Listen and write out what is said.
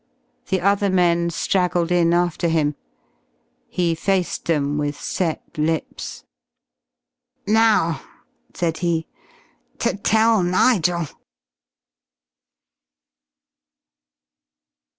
The other men straggled in after him. He faced them with set lips. "Now," said he, "to tell Nigel."